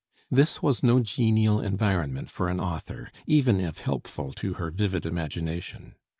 This was no genial environment for an author, even if helpful to her vivid imagination.